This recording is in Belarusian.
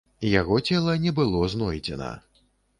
Яго цела не было знойдзена.